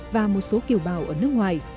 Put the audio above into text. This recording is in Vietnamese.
và một số kiều bào ở nước ngoài